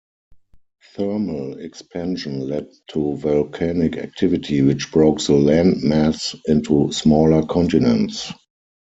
Thermal expansion led to volcanic activity, which broke the land mass into smaller continents.